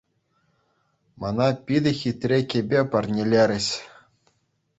Мана питӗ хитре кӗпе парнелерӗҫ.